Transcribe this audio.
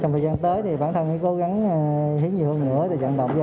trong thời gian tới thì vẫn có nhiều người cần đến những người máu an toàn như những dùng sao dùng sao